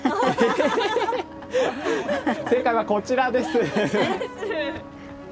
正解はこちらです。